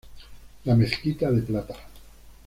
La Mezquita de plata.